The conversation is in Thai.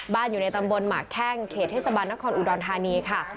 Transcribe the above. อยู่ในตำบลหมากแข้งเขตเทศบาลนครอุดรธานีค่ะ